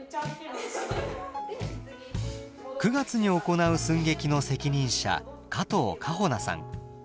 ９月に行う寸劇の責任者加藤香帆奈さん。